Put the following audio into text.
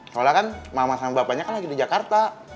soalnya kan mama sama bapaknya kan lagi di jakarta